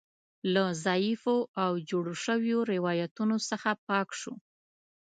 له ضعیفو او جوړو شویو روایتونو څخه پاک شو.